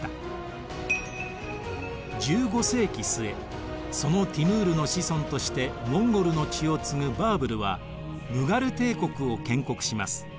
１５世紀末そのティムールの子孫としてモンゴルの血を継ぐバーブルはムガル帝国を建国します。